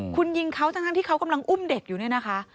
คุณยิงเขาทั้งที่เขากำลังอุ้มเด็กอยู่เนี่ยนะคะ